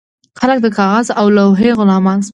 خلک د کاغذ او لوحې غلامان شول.